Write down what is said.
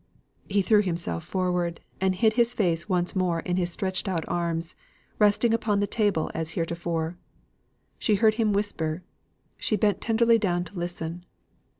He threw himself forward, and hid his face once more in his stretched out arms, resting upon the table as heretofore. She heard him whisper; she bent tenderly down to listen.